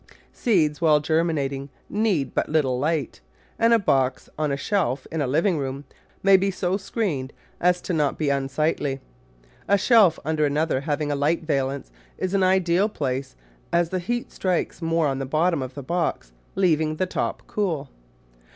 Seeds while germi nating need but little light, and a box on a shelf in a living room may be so screened as not to be un sightly. A shelf under another, having a light valance, is an ideal place, as the heat strikes more on the bottom of the box, leaving the top cool.